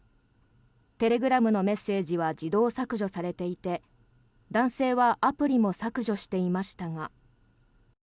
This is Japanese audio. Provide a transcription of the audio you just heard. テレグラムのメッセージは自動削除されていて男性はアプリも削除していましたが。